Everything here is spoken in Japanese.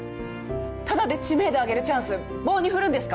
タダで知名度上げるチャンス棒に振るんですか？